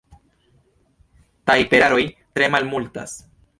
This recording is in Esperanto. Tajperaroj tre malmultas.